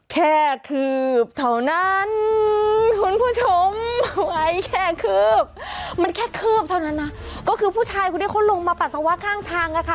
แค่คืบเท่านั้นคุณผู้ชมไว้แค่คืบมันแค่คืบเท่านั้นนะก็คือผู้ชายคนนี้เขาลงมาปัสสาวะข้างทางอ่ะค่ะ